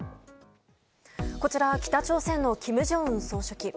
こちら、北朝鮮の金正恩総書記。